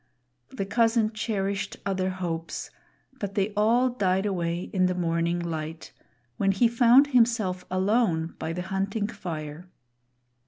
The cousin cherished other hopes, but they all died away in the morning light, when he found himself alone by the Hunting fire.